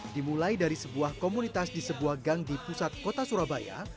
dimulai dari sebuah komunitas di sebuah gang di pusat kota surabaya